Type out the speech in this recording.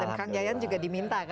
dan kang yayan juga diminta kan untuk